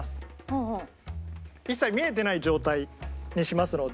一切見えてない状態にしますので。